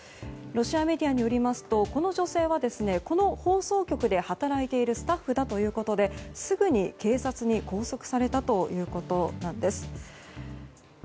ロシアメディアによりますとこの女性はこの放送局で働いているスタッフだということですぐに警察に拘束されたということなんです。